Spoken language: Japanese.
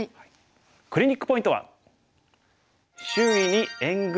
クリニックポイントは。